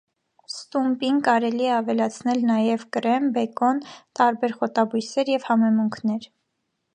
Ստումպին կարելի է ավելացնել նաև կրեմ, բեկոն, տարբեր խոտաբույսեր և համեմունքներ։